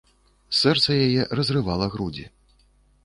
Сэрца яе разрывала грудзі.